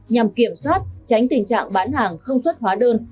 nhằm kiểm soát tránh tình trạng bán hàng không xuất hóa đơn